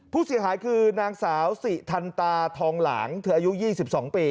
ผู้เสียหายคือนางสาวสิทันตาทองหลางเธออายุ๒๒ปี